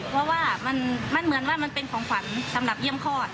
เพราะว่ามันเหมือนว่ามันเป็นของขวัญสำหรับเยี่ยมคลอด